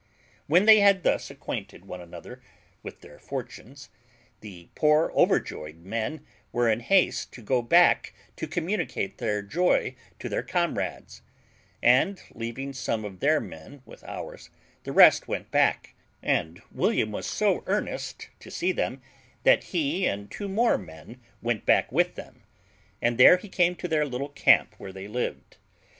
When they had thus acquainted one another with their fortunes, the poor overjoyed men were in haste to go back to communicate their joy to their comrades; and, leaving some of their men with ours, the rest went back, and William was so earnest to see them that he and two more went back with them, and there he came to their little camp where they lived.